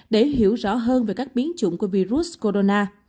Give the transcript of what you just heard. để hiểu rõ hơn về các biến chủng của virus corona